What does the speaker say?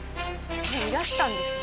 もういらしたんですね